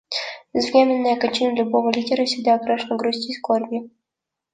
Безвременная кончина любого лидера всегда окрашена грустью и скорбью.